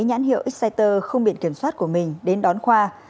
nhãn hiệu exciter không biển kiểm soát của mình đến đón khoa